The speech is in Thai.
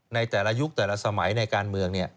ในแต่ละยุคแต่ละสมัยในการเมือง